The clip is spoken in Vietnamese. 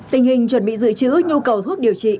tình hình chuẩn bị dự trữ nhu cầu thuốc điều trị